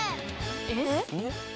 えっ？